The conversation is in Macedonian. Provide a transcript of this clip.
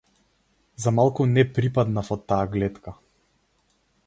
За малку не припаднав од таа глетка.